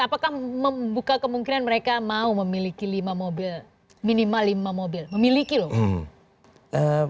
apakah membuka kemungkinan mereka mau memiliki lima mobil minimal lima mobil memiliki loh